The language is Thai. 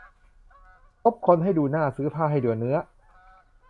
คบคนให้ดูหน้าซื้อผ้าให้ดูเนื้อ